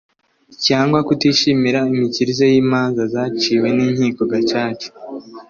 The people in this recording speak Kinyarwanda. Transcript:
Cyangwa kutishimira imikirize y imanza zaciwe n inkiko gacaca